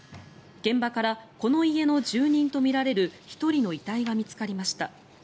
現場からこの家の住人とみられる１人の遺体が見つかりました。